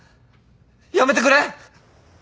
やめてくれ！